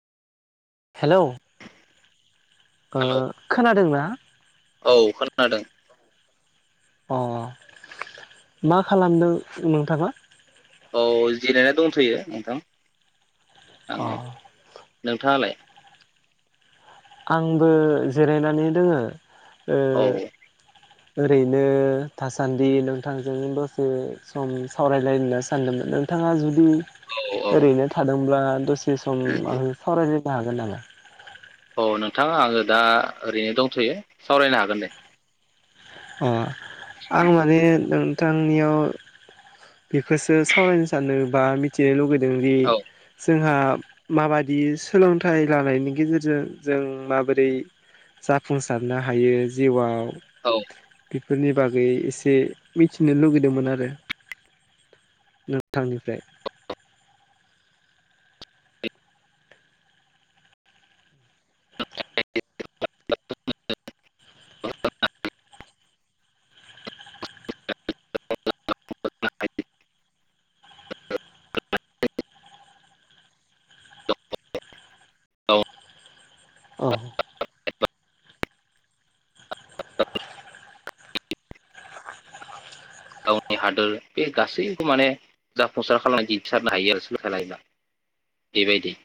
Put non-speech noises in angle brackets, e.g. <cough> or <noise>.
Hello ओ hello खोनादोंना? औ खोनादों। अह मा खालामदों नोंथांङा? औ जिरायना दंथ'यो नोंथां। अह। नोंथांङालाय। आंबो जिरायनानै दोंङो। ओ औ ओरैनो थासान्दि नोंथांजों दसे सम सावरायलायनो सानदोंमोन नोंथांङा जुदि। औ औ ओरैनो थादोंब्ला दसे सम आं सावरायनो नो हागोन नामा? औ नोंथां आंङो दा ओरैनो दंथ'यो सावरायनो हागोन दे। अह। आं माने नों बिथांनियाव बेखौसो सावरायनो सानो बा मिथिनो लुगै दोंदि औ जोंहा माबादि सोलोंथाइ लानायनि गेजेरजो जों माबोरै जाफुंसारनो हायो जिउआव। औ बेफोरनि बागै इसे मिथिनो लुगैदोंमोन आरो नोंथांनिफ्राय। <inaudible> <inaudible> <inaudible> औ अ गावनि हादोर बे गासैखौ माने जाफुंसार खालामनायनि दिन्थिसारनो हायो आरो सोलोंथाइ लायोब्ला बेबायदि।